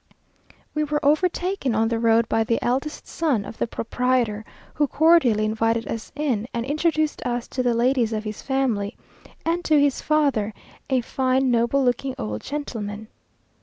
We were overtaken on the road by the eldest son of the proprietor, who cordially invited us in, and introduced us to the ladies of his family, and to his father, a fine, noble looking old gentleman.